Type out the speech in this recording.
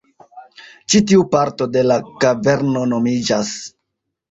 Ĉi tiu parto de la kaverno nomiĝas